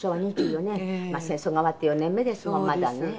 まあ戦争が終わって４年目ですもんまだね。